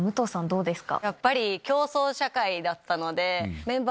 どうですか？